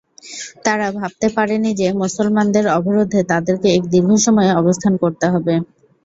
তারা ভাবতে পারেনি যে, মুসলমানদের অবরোধে তাদেরকে এক দীর্ঘ সময় অবস্থান করতে হবে।